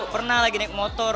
pernah lagi naik motor